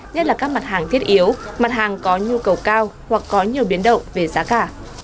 nhất là các mặt hàng thiết yếu mặt hàng có nhu cầu cao hoặc có nhiều biến động về giá cả